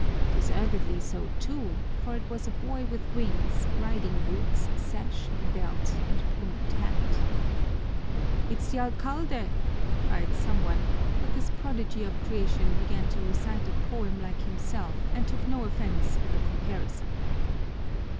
Deservedly so, too, for it was a boy with wings, riding boots, sash, belt, and plumed hat. "It's the alcalde!" cried some one, but this prodigy of creation began to recite a poem like himself and took no offense at the comparison.